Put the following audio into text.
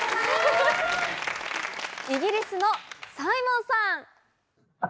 イギリスのサイモンさん。